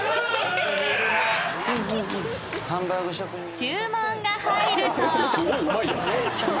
［注文が入ると］